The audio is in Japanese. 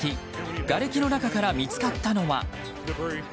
がれきの中から見つかったのは。